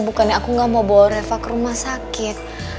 bukannya aku nggak mau bawa reva ke rumah sakit